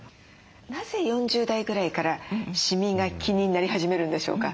なぜ４０代ぐらいからシミが気になり始めるんでしょうか？